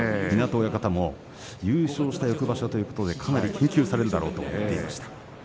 湊親方も優勝した翌場所ということでかなり研究をされるだろうと言っていました。